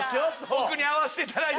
僕に合わせていただいて。